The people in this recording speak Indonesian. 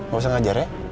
gak usah ngajar ya